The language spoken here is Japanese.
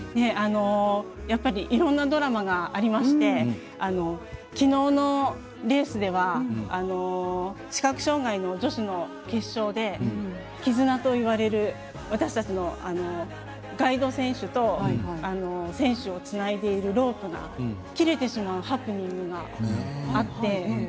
いろんなドラマがありましてきのうのレースでは視覚障がいの女子の決勝できずなといわれる私たちのガイド選手と選手をつないでいるロープが切れてしまうハプニングがあって。